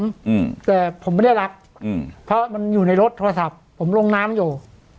อืมแต่ผมไม่ได้รักอืมเพราะมันอยู่ในรถโทรศัพท์ผมลงน้ำอยู่